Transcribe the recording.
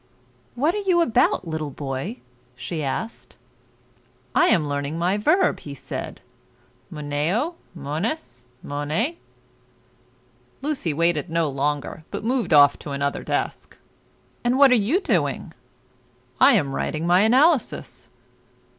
"What are you about, little boy?" she asked. "I am learning my verb," he said; "moneo, mones, monet." Lucy waited no longer, but moved off to another desk. "And what are you doing?" "I am writing my analysis."